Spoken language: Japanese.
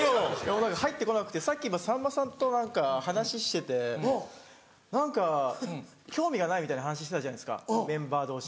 入って来なくてさっきさんまさんと何か話してて何か興味がないみたいな話してたじゃないですかメンバー同士。